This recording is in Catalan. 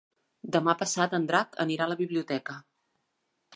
Demà passat en Drac anirà a la biblioteca.